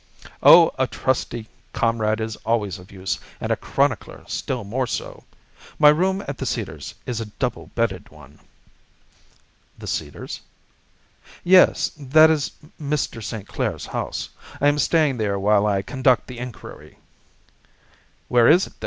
"Oh, a trusty comrade is always of use; and a chronicler still more so. My room at The Cedars is a double bedded one." "The Cedars?" "Yes; that is Mr. St. Clair's house. I am staying there while I conduct the inquiry." "Where is it, then?"